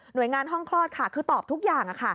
โดยงานห้องคลอดค่ะคือตอบทุกอย่าง